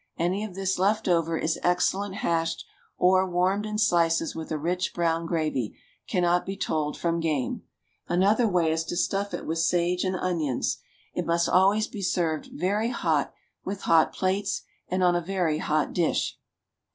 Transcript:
Any of this left over is excellent hashed, or, warmed in slices with a rich brown gravy, cannot be told from game. Another way is to stuff it with sage and onions. It must always be served very hot with hot plates and on a very hot dish.